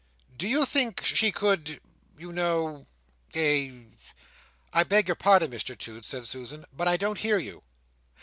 "Do you think she could—you know—eh?" "I beg your pardon, Mr Toots," said Susan, "but I don't hear you."